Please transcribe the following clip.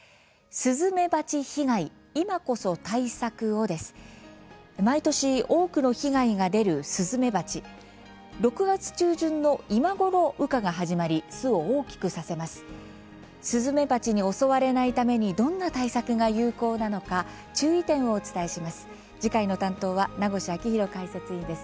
スズメバチに襲われないためにどんな対策が有効なのか注意点をお伝えします。